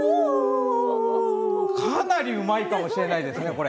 かなりうまいかもしれないですね。